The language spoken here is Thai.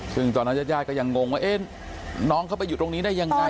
ซึ่งตอนนั้นญาติญาติก็ยังงงว่าน้องเขาไปอยู่ตรงนี้ได้ยังไง